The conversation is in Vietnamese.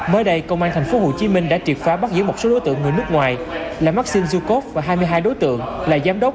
mới đây công an tp hcm đã triệt phá bắt giữ một số đối tượng người nước ngoài là maxing zukov và hai mươi hai đối tượng là giám đốc